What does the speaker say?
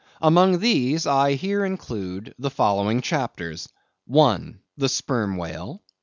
Among these I here include the following chapters:—I. The Sperm Whale; II.